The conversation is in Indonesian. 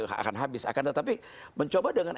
akan habis akan tetapi mencoba dengan